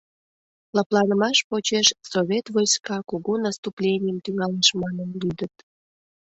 Лыпланымаш почеш совет войска кугу наступленийым тӱҥалеш манын лӱдыт.